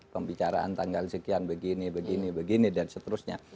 pembicaraan tanggal sekian begini begini dan seterusnya